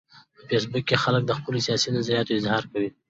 په فېسبوک کې خلک د خپلو سیاسي نظریاتو اظهار کوي